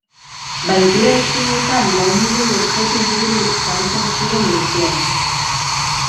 Bahitura-etxeetan lau milioi objektu inguru saltzen ziren urtean.